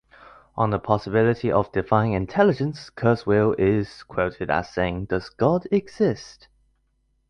On the possibility of divine intelligence, Kurzweil is quoted as saying, Does God exist?